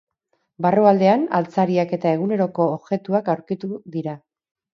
Barrualdean, altzariak eta eguneroko objektuak aurkitu dira.